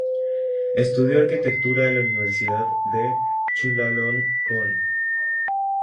Estudió arquitectura en la Universidad de Chulalongkorn.